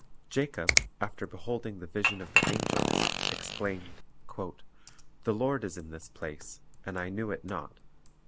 1 Jacob, after beholding the vision of the angels, exclaimed, "The Lord is in this place; and I knew it not.